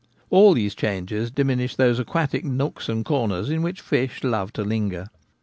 All these changes diminish those aquatic nooks and corners in which fish love to linger.